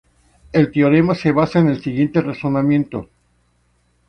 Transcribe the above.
El teorema se basa en el siguiente razonamiento.